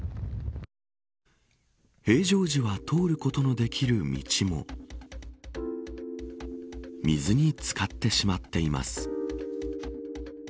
平常時は通ることのできる道も水に、つかってしまっています。